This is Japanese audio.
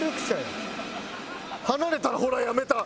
離れたらほらやめた。